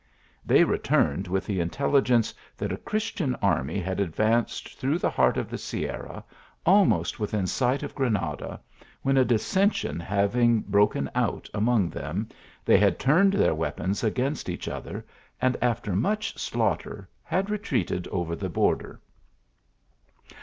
They returned with the intelligence that a Chris tian army had advanced through the heart of the Sierra, almost within sight of Granada, when a dis sension having broken out among them, they had turned their weapons against each other, and after much slaughter, had retreated over the border.